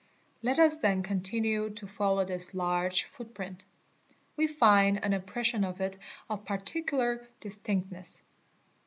Let us then continue to follow this large footprint. We find an impression of it of particular "distinctness.